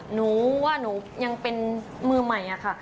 หนูว่าหนูยังเป็นมือใหม่อะค่ะ